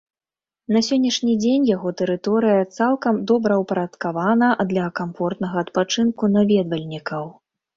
На сённяшні дзень яго тэрыторыя цалкам добраўпарадкавана для камфортнага адпачынку наведвальнікаў.